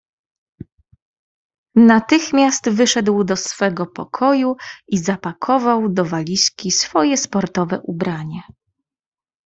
"Natychmiast wyszedł do swego pokoju i zapakował do walizki swoje sportowe ubranie."